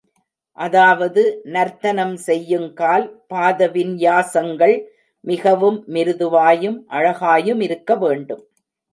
அதாவது நர்த்தனம் செய்யுங்கால் பாதவின்யாசங்கள் மிகவும் மிருதுவாயும் அழகாயுமிருக்க வேண்டும்.